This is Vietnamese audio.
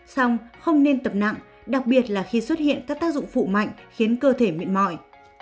xong không nên tập nặng đặc biệt là khi xuất hiện các tác dụng phụ mạnh khiến cơ thể mệt mỏi